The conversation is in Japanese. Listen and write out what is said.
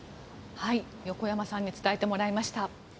横山さんに伝えてもらいました。